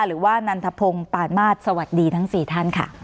หรือว่านันทพงศ์ปานมาสสวัสดีทั้ง๔ท่านค่ะ